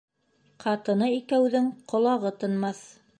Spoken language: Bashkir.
Ҡатыны икәүҙең ҡолағы тынмаҫ.